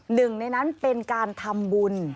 หนึ่งในนั้นเป็นการทำบุญ